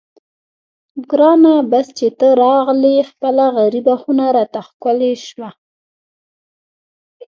ګرانه بس چې ته راغلې خپله غریبه خونه راته ښکلې شوه.